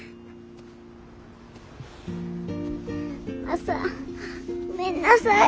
マサごめんなさい。